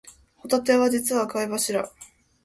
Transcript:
ホタテは実は貝柱